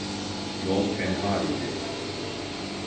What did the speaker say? Yol tenha idi.